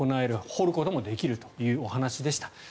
掘ることもできるということです。